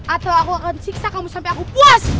atau aku akan siksa kamu sampai aku puas